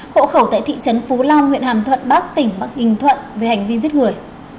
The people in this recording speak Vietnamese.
hộ khẩu tại thị trấn phú long huyện hàm thuận bắc tỉnh bắc ninh thuận về hành vi giết người